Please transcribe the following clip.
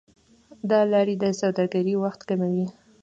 دا لارې د سوداګرۍ وخت کموي.